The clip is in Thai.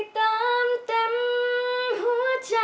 ขอบคุณค่ะ